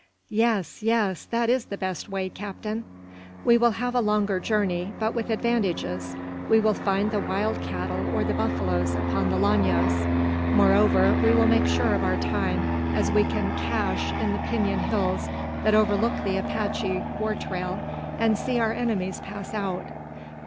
"Yes, yes; that is the best way, captain." "We will have a longer journey, but with advantages. We will find the wild cattle or the buffaloes upon the Llanos. Moreover, we will make sure of our time, as we can `cache' in the Pinon Hills that overlook the Apache war trail, and see our enemies pass out.